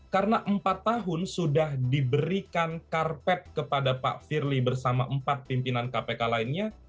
karena empat tahun sudah diberikan karpet kepada pak firly bersama empat pimpinan kpk lainnya